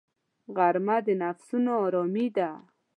غرمه د نفسونو آرامي ده